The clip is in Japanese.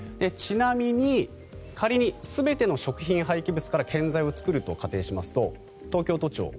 ちなみに仮に全ての食品廃棄物から建材を作ると仮定しますと東京都庁